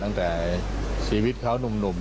ตั้งแต่ชีวิตเขาหนุ่ม